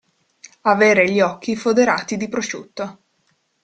Avere gli occhi foderati di prosciutto.